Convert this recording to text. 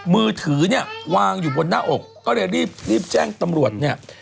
มือถือเนี่ยวางอยู่บนหน้าอกก็เลยรีบรีบแจ้งตำรวจเนี่ย